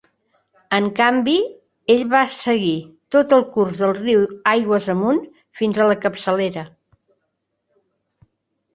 En canvi, ell va seguir tot el curs del riu aigües amunt fins a la capçalera.